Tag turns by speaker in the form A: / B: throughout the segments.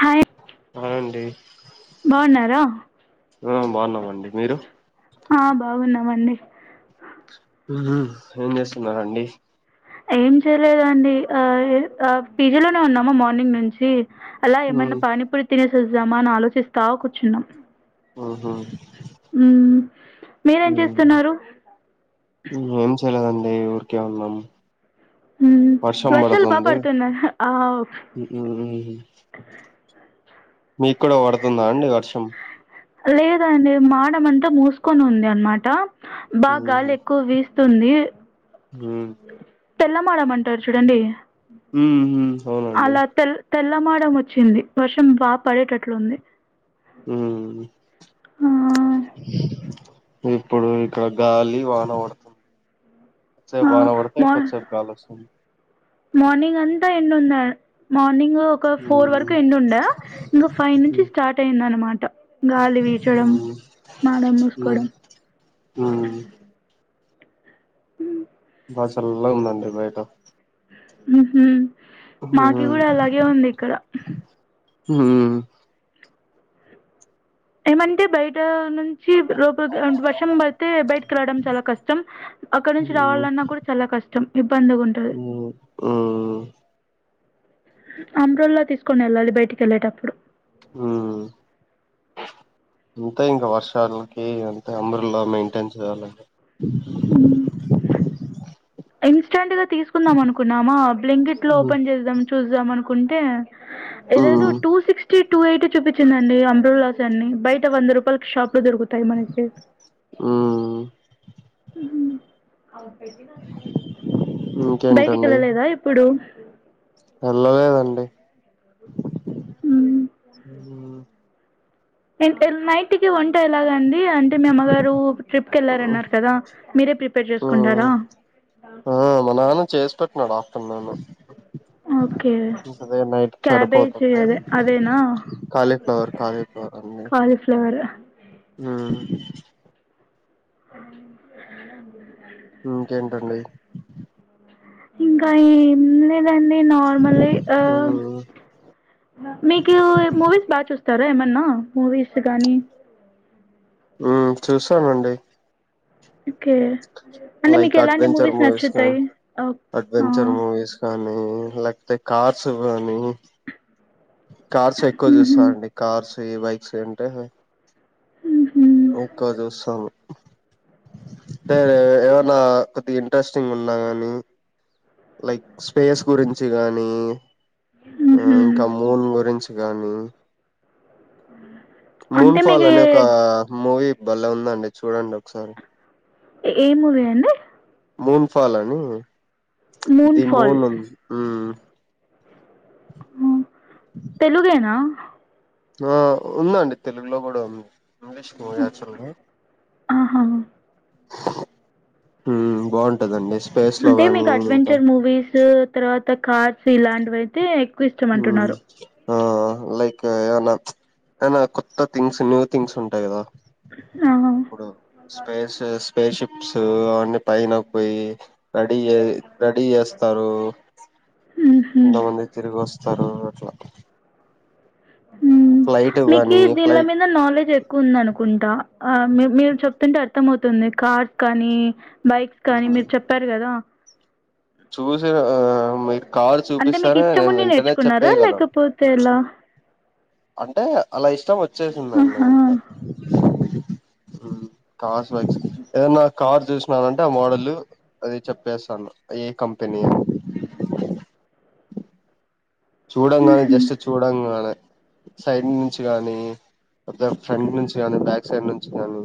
A: Hi
B: అవునండి
A: బాగున్నారా
B: హా బాగున్నామండి మీరు
A: హా బాగున్నామండి
B: ఉమ్ ఏం చేస్తున్నారండీ
A: ఏం చేయలేదండి అది ఆ పీజిలోనే ఉన్నామా మార్నింగ్ నుంచి అలా ఏమన్నా పాని పూరి తినేసి ఏం చేద్దాం ఆలోచిస్తా కూర్చున్నా
B: ఆహా ఆ
A: ఉమ్ మీరేం చేస్తున్నారు
B: మేమ్ ఊర్కే ఉన్నాం
A: ఉమ్
B: వర్షం
A: వర్షాలు బాగా
B: పడుతుంది
A: పడుతున్నాయ్ ఆవ్
B: మీ కుడా పడుతుందా అండి వర్షం
A: లేదండి మాడమంతా మూసుకొని ఉంది అన్మాట బగ్ గాలి ఎక్కువ వీస్తుంది ఇస్తుంది తెల్లమాడమంటారు చూడండి
B: ఉమ్ ఊ
A: అలా తెల్ తెల్లమాడం వచ్చింది వర్షం బాగ్ పడేటట్లుంది ఆ
B: ఇప్పుడు ఇక్కడ గాలి వాన పడుతుంది కొద్దిసేపు
A: ఆ
B: వాన వడితే
A: మార్
B: కొద్దిసేపు గాలోస్తాంది
A: మార్నింగ్ అంతా ఎండుందర్ మా మార్నింగ్ ఒక ఫోర్ వరకు ఎండా ఉండే ఇం ఫైవ్ నుంచి స్టార్ట్ అయింది అన్మాట గాలి విచాడం మాడ మూసుకోడం
B: బాగా చల్లగా ఉందండి బయట
A: ఉహు మాకి గూడా
B: ఉ
A: అలాగే ఉంది ఇక్కడ ఏమంటే బయట అక్క నుంచి లొపలి వర్షం పడితే బయటకి రడం చాలా కష్టం అక్కడ నుంచి రావాలన్నా కూడా చాలా కష్టం ఇబ్బందిగా ఉంటది
B: ఉ ఉ
A: అప్రల్లో తీసుకొనెళ్లాలి బయటికెళ్లేటప్పుడు
B: ఉమ్ ఇంకా ఇంకా వర్షాలు అంతే అమ్రాళ్ళ మెయింటైన్ చేయాలి
A: ఇన్స్టాంగా తీసుకుందాం మనుకున్నామా బ్లింకిట్లో ఓపెన్ చేద్దాం చూద్దాం అనుకు కుంటే ఏదేదో
B: ఉమ్
A: టూ సిక్స్టీ టూ ఎమిటీ చూపిచ్చిందండి అంబ్రోలాస్ అన్ని బయట వంద రూపాయలక్ షాప్ లో దొరుగుతాయి మనకి
B: ఉమ్ ఇంకేంటండి
A: బయటకెళ్ళలేదా ఇప్పుడు
B: ఎల్లలేదండి ఉహు
A: ఎన్ ఎన్ నైట్ కి వంట ఎలాగండి అంటే మీ అమ్మగారు ట్రిప్ కెళ్ళారన్నారు కదా మీరే ప్రిపేర్
B: ఉమ్
A: చేసుకుంటారా
B: ఆ మా
A: ఓకే
B: ఇంకదే నైట్కి
A: క్యాబేజీ
B: సరిపోతుంది
A: అదే అదేనా
B: కాలీఫ్లవర్ కాలీఫ్లవర్ అండి
A: కాలీఫ్లవర్
B: ఊ
A: [inaudible]
B: ఇంకకేంటండి
A: ఇంకేంటండి దండి నార్మలే ఆ
B: ఉమ్
A: మీకు మూవీస్ బాచూ తారా ఏమన్నా మూవీస్ గానీ
B: ఊ చూసానండి
A: ఒక్కే
B: లైక్ అడ్వెంచర్ మూవీస్ కాన్
A: ఓక్- ఆ
B: అడ్వెంచర్ మూవీస్ కానీ లేకపోతే కార్ సుబానీ కార్స్ ఎక్కువ
A: ఉహు
B: జూస్తానండి కార్స్ ఏ బైక్సంటే
A: ఉహు
B: ఎక్కువ చూస్తాము టాడే ఎమ్నా ఇంట్రెస్టింగ్ ఉన్నా గాని లైక్ స్పేస్ గురించి గానీ ఆ
A: ఉహు
B: ఇంకా మూన్ గురించి గానీ
A: అంటే
B: మూన్
A: మీకు
B: ఫాల్ అనే ఒక
A: ఏ
B: మూవీ బలే ఉందండి చూడండి ఒక్సారి
A: ఏమూవీ అండి
B: మూన్ ఫాల్ అని ది మూన్ హ్మ్మ్
A: హ్మ్మ్ తెలుగేనా
B: ఆ ఉందండి తెలుగులో కూడా ఉంది ఇంగ్లీష్ కు యాక్చవెల్ మీనింగ్
A: ఆహా
B: మ్ బాగుండు
A: అంటే మీకు అడ్వెంచర్ ముూవీస్ తర్వాత కా '----' ఇలాంటివైతే
B: ఉమ్
A: ఇష్టమంటున్నారు
B: ఆ లైక్ ఏమనా ప్స్ ఏనా కొత్త థింగ్స్ న్యూ థింగ్స్ ఉంటాయి కదా
A: ఆహా
B: ఇప్పుడు స్పేస్ స్పేషిప్స్ అన్నీ పైనకు పొయి రెడీ జే రెడీ జేస్తారు
A: ఉహు
B: కొంతమంది తిరిగి వస్ సరూ అట్లా
A: మ్
B: ఫ్లైట్
A: మీకి
B: గానీ
A: దీన్ల
B: ఫ్లైట్
A: మింద నాలెడ్జ్ ఎక్కువ ఉంది అనుకుంటా ఆ మీ మీరు చెప్తుంటే అర్థంమవుతుంది కార్స్ కానీ బైక్స్ కానీ మీరు చెప్పారు గదా
B: చూస్ ఆ మీరు కారు
A: అంటే మీకు
B: చూపిస్తానే
A: ఇష్టం
B: నేను
A: ఉండి
B: వెంటనే
A: నేర్చుకున్నారా
B: చెప్పేయగలను
A: లేకపోతే ఎలా
B: అంటే ఆళ్ళ ఇష్ ఇష్టం వచ్చేసిందండి
A: ఆహా
B: అంతే మ్ కా ఏదన్న కార్ జూసినానంటే ఆ మోడల్ అది చెప్పేస్తాను ఏ కంపెనీ చూడంగానే
A: ఉహు
B: జస్ట్ చూడంగానే సైడ్ నించి గాని ఫ్రంట్ నుంచి గాని బ్యాక్ సైడ్ నుంచి గాని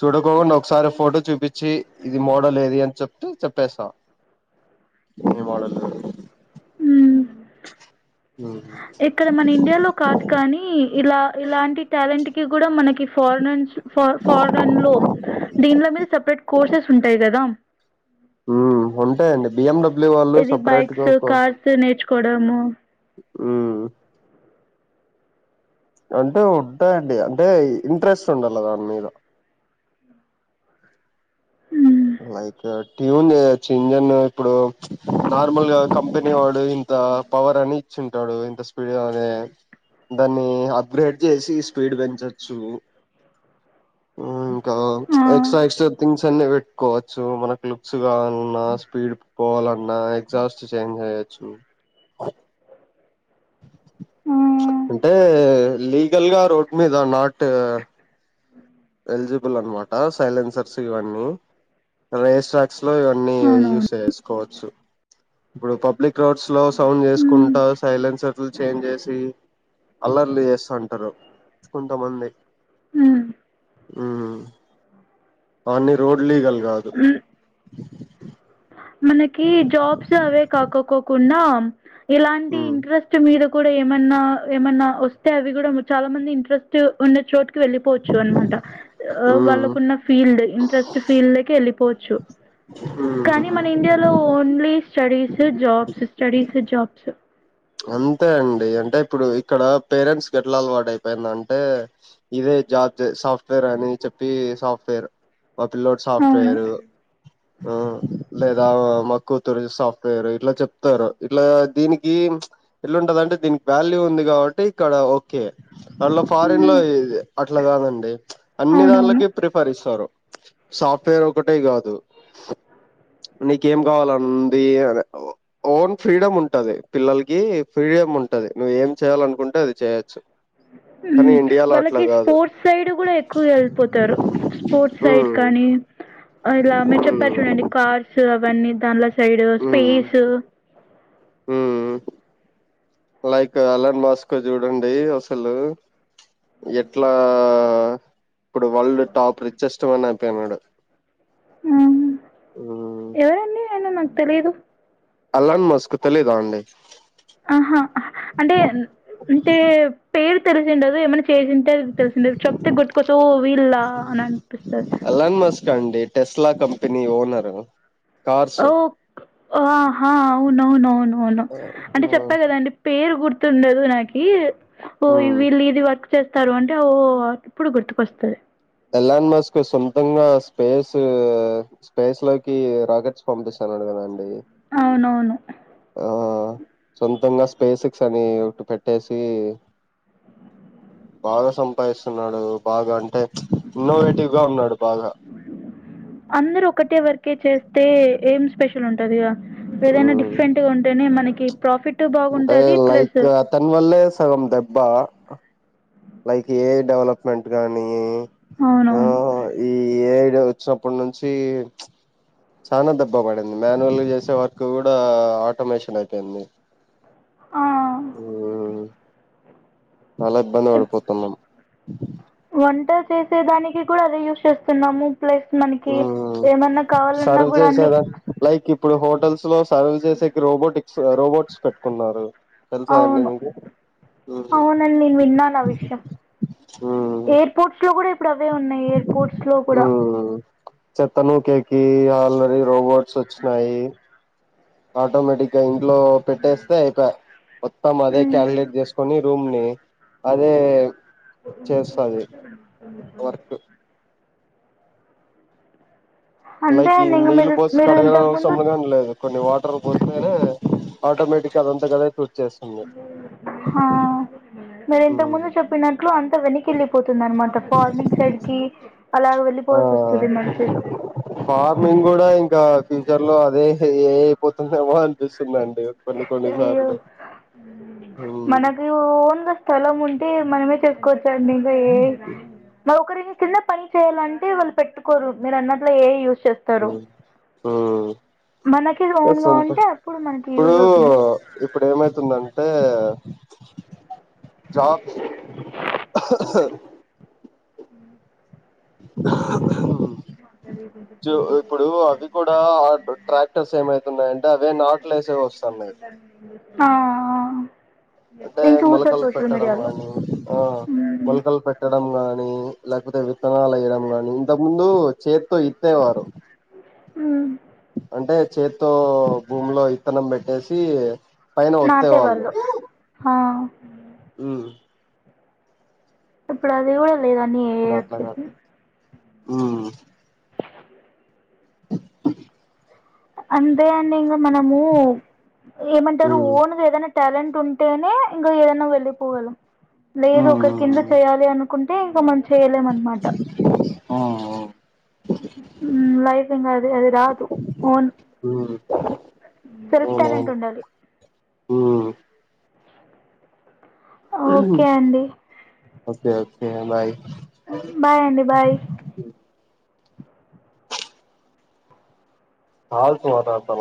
B: చూడుకోకుండా ఒకసారి ఫోటో చూపించి ఇది మోడల్ ఏది అని చెప్తే చెప్పేస్తా ఈ మోడల్
A: ఊ ఇక్కడ మన ఇండియాలో కాదు కానీ ఇలా ఇలాంటి టాలెంట్ కి గూడా మనకి ఫారిన్ నించి ఫా ఫారెన్ లో దీన్ల మీద సపరేట్ కోర్సెస్ ఉంటాయి గదా
B: ఉమ్ ఉంటాయండి బిఎండబ్ల్యూ వాళ్ళు
A: ఇది
B: సపరేట్ గా
A: బైక్స్
B: ఒక
A: కార్స్ నేర్చు కొడము
B: ఉమ్ అంటే ఉంటాయంండి అంటే ఇంట్రెస్ట్ ఉండాల్ల దాని మీద
A: ఉ మ్
B: లైక్ ట్యూన్ జేయొచ్చు ఇంజన్ ఇప్పుడు నార్మల్ గా కంపెనీ ఇంత పవర్ అని చ్చుంటాడు ఇంత స్పీడ్ అనే దాన్ని అప్గ్రేడ్ చేసి స్పీడ్ పెంచచ్చు మ్ ఇంకా ఎక్స్ట్రా ఎక్స్ట్రా థింగ్స్ అని పె చ్చు మనకు లుక్స్ కావాలన్నా స్పీడ్ పోవాలన్న ఎగ్జాస్ట్ చేంజ్ చేయచ్చు అంటే లీగల్ గా రోడ్ మీద నాట్ ఎలిజిబుల్ అనమాట సైలెన్సర్స్ ఇవన్నీ రేస్ ట్రాక్స్ లో ఇవన్నీ యూస్ చేయొచ్చు కోవచ్చు ఇప్పుడు పబ్లిక్ రోడ్స్ లో సౌండ్
A: ఉమ్
B: చేసుకుంటా సైలెన్సర్లు చేంజ్ చేసి అల్లర్లు చేస్తుంటారు కొంతమంది
A: హ్మ్
B: హూ అన్ని రోడ్ లీగల్ కాదు
A: మనకి జాబ్స్ అవే కాక కో కో ఉన్నాం ఇలాంటి
B: ఉమ్
A: ఇంట్రెస్ట్ మీరు కూడా ఏమన్నా ఏమన్నా వస్తే అవి కూడా చాలా మంది ఇంట్రెస్ట్ ఉన్న చోటు వెళ్ళిపోవచ్చు అనమాట
B: ఉమ్
A: వాళ్ళకున్న ఫీల్డ్ ఫస్ట్ ఫీల్డ్ వెళ్ళిపోవచ్చు కానీ మన
B: ఉమ్
A: ఇండియాలో only studies jobs studies jobs
B: అంతే అండి అంటే ఇప్పుడు ఇక్కడ పేరెంట్స్ గ ఎట్లా అలవాటు అయిపోయింద అంటే ఇదే జాబ్ సాఫ్ట్‌వేర్ అని చెప్పి సాఫ్ట్‌వేర్ మా పిల్లోడు
A: అవును
B: సాఫ్ట్‌వేరు ఆ లేదా మా కూతురు సాఫ్ట్వేర్ ఇట్లా చెప్తారు ఇట్లా దీనికి ఎట్లుంటదంటే దీనికి వాల్యూ ఉంది కాబట్టి ఇక్కడ ఓకే అందులో ఫారిన్ లో అట్లా కాదండి అన్ని
A: అవునవును
B: దానిలకి ప్రిఫర్ ఇస్తారు సాఫ్ట్వేర్ ఒకటే కాదు నీకేం కావాలంది అ ఓన్ ఫ్రీడమ్ ఉంటది పిల్లలకి ఫ్రీడమ్ ఉంటది నువ్వు ఏం చేయాలనుకుంటే అది చేయొచ్చు కానీ ఇండియాలో అట్లా
A: వాళ్ళకి
B: కాదు
A: స్పోర్ట్స్ సైడ్ కూడా ఎక్కువ వెళ్ళిపోతారు స్పోర్ట్స్ సైడ్
B: హ్మ్
A: కానీ ఇలా మీరు
B: హ్మ్
A: చెప్పారు చూడండి కార్స్ అవన్నీ తానల్ సైడ్
B: హ్మ్
A: స్పేస్
B: హ్మ్ లైక్ అలాన్ మస్క్ చూడండి అసలు ఎట్లా ఇప్పుడు వరల్డ్ టాప్ రిచెస్ట్ వన్ అయిపోయినాడు
A: ఆ
B: హ్మ్
A: ఎవరండి నన్న నాకు తెలీదు
B: అలన్ మస్క్ తెలీదా అండి
A: ఆహా అంటే అంటే పేరు తెరిసండదు ఎమన్నా చేసింటే తెలిసింద చెప్తే గుట్టుకోస వీళ్ళ అని అనిపిస్తాది
B: అలన్ మస్క్ అండి టెస్లా కంపెనీ ఓనర్
A: ఓ ఆహా అవునవునవును అవును అంటే చెప్పా కదా అండి పేరు గుర్తుండదు నాకి ఓ
B: హ్మ్
A: వీళ్ళు ఇది వర్క్ చేస్తారు అంటే ఓ ఇప్పుడు గుర్తుకొస్తాది
B: ఎల్లాన్ మస్క్ కు సొంతంగా స్పేస్ స్పేస్ లోకి రాకెట్స్ పంపిస్తానుడు కదండి
A: అవునవును
B: ఆ సొంతంగా స్పేసిక్స్ అని ఒకటి పెట్టేసి బాగా సంపాదిస్తున్నాడు బాగా అంటే ఇన్నోవేటివ్ గ ఉన్నడు బాగా
A: కేక్ చేస్తే ఏం స్పెషల్ ఉంటంది ఇగ ఏదైనా
B: మ్మ్
A: డిప్రెంట్ గా ఉంటేనే మనకి ఇ ప్రాఫిట్
B: అంటే
A: బాగుంటది ప్లస్
B: లైక్ అతని వల్లే సగం దెబ్బ లైక్ ఏ డవలప్మెంట్ గానీ ఆ
A: అవునవును
B: ఈ ఏ వచ్చినప్పుటి నుంచి ప్ చాల దెబ్బ పడింది మాన్యువల్ చేసే వర్క్ కూడా ఆటోమేషన్ అయిపోయింది
A: ఆహ్
B: ఆ చాలా ఇబ్బంది
A: ఇప్
B: పడిపోతున్నాం అ
A: వంట చేసే దానికి కూడా అదే యూజ్ చేస్తున్నాము ప్లస్ మనకి ఏమన్నా కావాలన్నా
B: సర్వ్
A: గుడా అన్ని
B: చేసేదా లైక్ ఇప్పుడు హోటల్స్ లోస్ సర్వ్ చేసస్ రోబోటిక్ సెరోబోట్స్ పెట్టుకున్నారు తెలుసా అండి
A: అవును
B: మీకు
A: అవునండి విన్నాను ఆ విషయం
B: ఉమ్
A: ఎయిర్పోర్ట్స్ లో కూడా ఏప్పుడు అవే ఉన్నాయి ఎయిర్ పోర్ట్స్ లో కూడా
B: చెత్తను కేకి అ ఆలరీ రోబోట్స్ వచ్చినాయి ఆటోమటిక్ యి ఇట్ లో పెట్టేస్తే ఐ ప్యాయా మొత్తం అదే క్యలిక్ లేట్ చేసుకొని రూమ్ని అదేఏ వర్క్
A: తప అంతే
B: లైక్ ఈ
A: అండి ఇంక
B: నీళ్లు
A: మీరు
B: పోసి
A: మీరు ఇంతకు ముందు
B: కడగసంలో కానీ లేదు కొన్ని వాటర్ల పోస్తనే ఆటోమేటిక్గా అదంతాగాదై
A: మరి ఇంత
B: ఉమ్
A: ముందు చెప్పినట్లు అంత వెనకి వెళ్ళిపోతుంది అనమాట ఫార్నింగ్ సైడ్ కి అలాగ
B: ఆ
A: వెళ్ళిపోల్సి వస్తుంది మనుషులో
B: ఫార్మింగ్ కూడా ఇంకా ఫ్యూచర్ లో అదే ఏ అయిపోతుందేమో అనిపిస్తుందండి కొన్ని కొన్ని
A: అయ్యో
B: సార్లు మ్మ్
A: మనకు ఓన్గా స్థలం ఉంటే మనమే చెక్ కోచండి ఏయ్ నౌకరిమె చిన్న పని చేయాలంటే వాళ్ళు పెట్టుకోరు మీరన్నట్లు ఎ ఐ యూస్ చేస్తారు
B: మ్మ్ మ్మ్
A: మనకిది ఓన్గా
B: సొంత
A: ఉంటే అప్పుడు మనం
B: ఇప్పుడు ఇప్పుడేమైతుంది అంటే అంటే జాబ్ ఆహా ఆహా ఇప్పుడు అవి కూడా ట్రాక్టర్స్ ఏమైతున్నాయంటే అవే నట్లుఏసేవి వస్తున్నాయి
A: హా ఆ ఆ
B: అంటే మొలకలు పెట్టడం గాని ఆ మొలకలు
A: హ్మ్
B: పెట్టడం గాని లేకపోతే విత్తనాలు ఏయడం గానీ ఇంతకు ముందు చేతి ఇత్తే వారు
A: ఊ
B: అంటే చేత్తో భూమిలో ఇత్తనం బెట్టేసి
A: నాటే వాళ్ళు హ ఉ
B: ఉమ్
A: ఇప్పుడు అధిగాద్ లేదని ఏ వచ్చేసి [inaudible]
B: ఊ
A: అంతే అండి ఇంగ మనము ఏమంటారు
B: ఉమ్
A: ఓన్గా ఏదైనా టాలెంట్ ఉంటేనే ఇంకా ఏదైనా వెళ్ళిపోగలం లేదు
B: ఉమ్
A: ఒకరి కింద చేయాలి అనుకుంటే ఇంక మనం చేయలేం అన్నమాట
B: ఉమ్
A: లైఫ్ ఇంగ అది అది రాదు ఓన్
B: ఉమ్
A: సెల్ఫ్ టాలెంట్
B: అవునవును
A: ఉండాలి
B: ఉమ్
A: ఓకే అండి.
B: ఓకే ఓకే బాయ్
A: బాయ్ అండి బాయ్
B: హా సత స [unintelligible]